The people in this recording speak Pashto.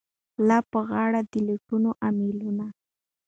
لا په غاړه د لوټونو امېلونه